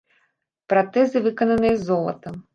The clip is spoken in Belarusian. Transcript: Пратэзы выкананыя з золата.